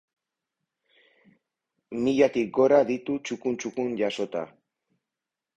Milatik gora ditu txukun txukun jasota.